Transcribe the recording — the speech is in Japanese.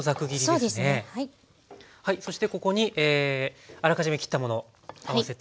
そしてここにあらかじめ切ったもの合わせてあります。